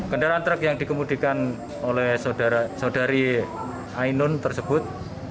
kendaraan truk yang dikemudikan oleh saudari ainun tersebut